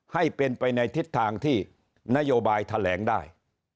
ให้เป็นไปในทิศทางที่นโยบายแถลงได้